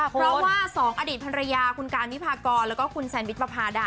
เพราะว่าสองอดีตภรรยาคุณการวิพากรแล้วก็คุณแซนวิชประพาดา